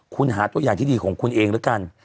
คุณหาตัวอย่างที่ดีของคุณเองแล้วกัน